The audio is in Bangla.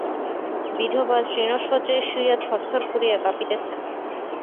বিধবা তৃণশয্যায় শুইয়া থরথর করিয়া কাঁপিতেছেন।